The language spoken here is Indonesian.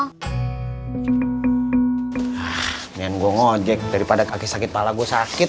kemudian gue ngojek daripada kaki sakit pala gue sakit